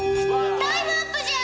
アイムアップじゃ！